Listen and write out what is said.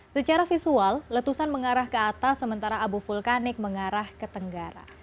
secara visual letusan mengarah ke atas sementara abu vulkanik mengarah ke tenggara